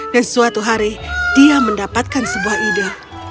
dan suatu hari dia mendapatkan sebuah ide